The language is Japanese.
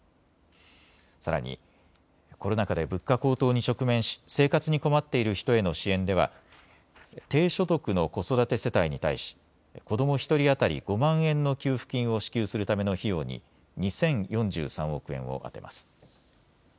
さらに、コロナ禍で物価高騰に直面し生活に困っている人への支援では低所得の子育て世帯に対し子ども１人当たり５万円の給付金を支給するための費用に２０４３億円を充てます。